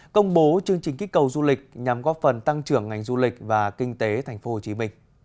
công bố chương trình kích cầu du lịch nhằm góp phần tăng trưởng ngành du lịch và kinh tế tp hcm